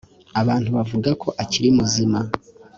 abantu bavuga ko akiri muzima